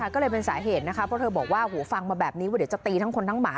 ก็เลยเป็นสาเหตุนะคะเพราะเธอบอกว่าฟังมาแบบนี้ว่าเดี๋ยวจะตีทั้งคนทั้งหมา